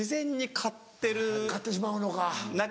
買ってしまうのか。